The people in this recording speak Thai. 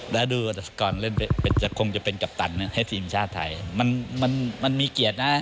แล้วดูก่อนจะเป็นกัปตันให้ทีมชาติไทยมันมีเกียรตินะ